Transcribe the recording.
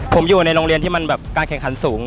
ผมอยู่ในโรงเรียนที่มันแบบการแข่งขันสูง